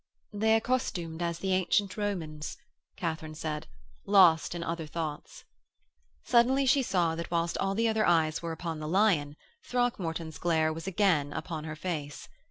'They are costumed as the ancient Romans,' Katharine said, lost in other thoughts. Suddenly she saw that whilst all the other eyes were upon the lion, Throckmorton's glare was again upon her face.